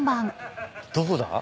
どこだ？